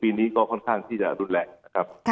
พรีนี้ก็ค่อนข้างที่จะดูแลนะครับ